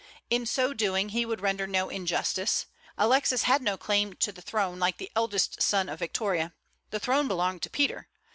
In so doing, he would render no injustice. Alexis had no claim to the throne, like the eldest son of Victoria. The throne belonged to Peter.